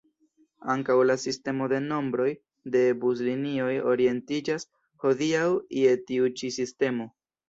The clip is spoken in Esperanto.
Ankaŭ la sistemo de nombroj de buslinioj orientiĝas hodiaŭ je tiu ĉi sistemo.